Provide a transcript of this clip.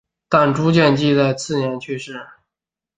但朱见济在次年去世。